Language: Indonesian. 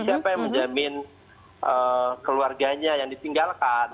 siapa yang menjamin keluarganya yang ditinggalkan